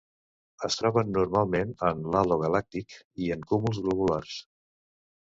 Es troben normalment en l'halo galàctic i en cúmuls globulars.